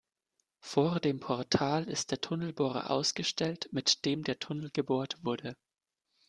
Vor dem Portal ist der Tunnelbohrer ausgestellt, mit dem der Tunnel gebohrt wurde.